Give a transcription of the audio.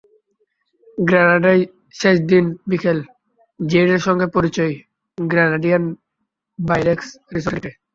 গ্রেনাডায় শেষ দিন বিকেলে জেইডের সঙ্গে পরিচয় গ্রেনাডিয়ান বাই রেক্স রিসোর্টের গেটে।